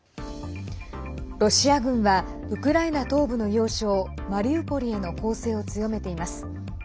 ロシア軍はウクライナ東部の要衝マリウポリへの攻勢を強めています。